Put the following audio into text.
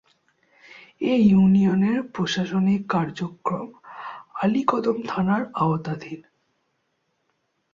এ ইউনিয়নের প্রশাসনিক কার্যক্রম আলীকদম থানার আওতাধীন।